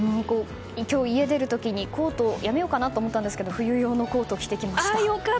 今日、家を出る時にコートはやめようなかなと思ったんですが冬用のコートを着てきました。